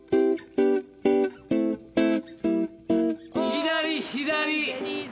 左左。